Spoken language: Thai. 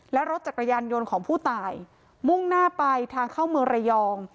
และรถจักรยานยนต์ของผู้ตายมุ่งหน้าไปทางเข้าเมืองระยอง